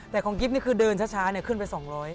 แต่ของกิ๊บนี่คือเดินช้าขึ้นไป๒๐๐